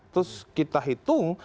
terus kita hitung